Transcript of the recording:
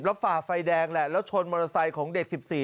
แล้วฝ่าไฟแดงแหละแล้วชนมอเตอร์ไซค์ของเด็ก๑๔